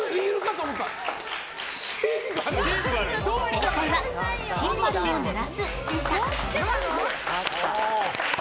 正解はシンバルを鳴らすでした。